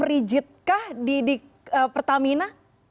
rigidkah di pertamina